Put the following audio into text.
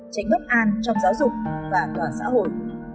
tránh bất an trong giáo dục và toàn xã hội